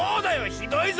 ひどいぞ！